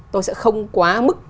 tôi sẽ không quá mức